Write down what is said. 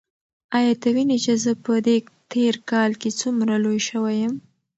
ایا ته وینې چې زه په دې تېر کال کې څومره لوی شوی یم؟